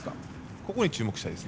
ここに注目したいです。